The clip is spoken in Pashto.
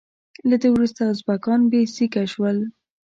له ده وروسته ازبکان بې سیکه شول.